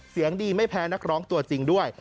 เสียงดีไม่แพ้นักร้องตัวจริงด้วย